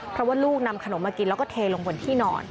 เพราะว่าลูกนำขนมมากินแล้วก็เทลงบนที่นอน